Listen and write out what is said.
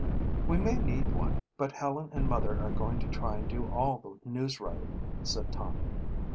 "We may need one but Helen and Mother are going to try and do all the news writing," said Tom.